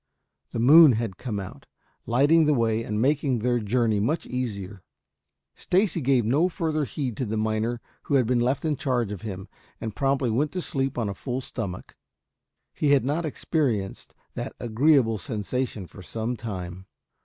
The moon had come out, lighting the way and making their journey much easier. Stacy gave no further heed to the miner who had been left in charge of him, and promptly went to sleep on a full stomach. He had not experienced that agreeable sensation for some time.